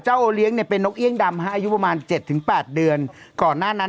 เจ้าโอเลี้ยงเป็นนกเยี่ยมดำอายุประมาณ๗ถึง๘เดือนก่อนหน้านั้น